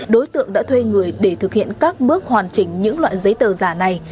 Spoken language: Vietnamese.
đối tượng đã thuê người để thực hiện các bước hoàn chỉnh những loại giấy tờ giả này